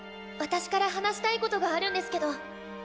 私から話したいことがあるんですけど。